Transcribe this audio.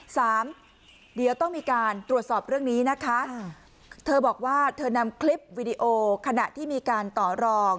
สามเดี๋ยวต้องมีการตรวจสอบเรื่องนี้นะคะเธอบอกว่าเธอนำคลิปวิดีโอขณะที่มีการต่อรอง